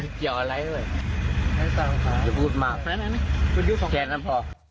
เจียวอะไรด้วยไม่ต้องค่ะอย่าพูดมากแค่นั้นพอ